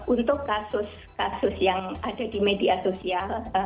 untuk kasus kasus yang ada di media sosial